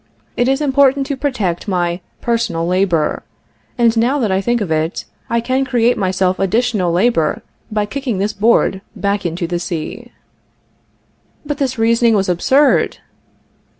It is important to protect my personal labor, and now that I think of it, I can create myself additional labor by kicking this board back into the sea." But this reasoning was absurd!